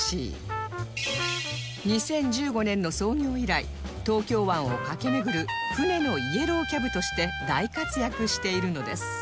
２０１５年の創業以来東京湾を駆け巡る船のイエローキャブとして大活躍しているのです